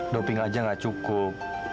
doping aja gak cukup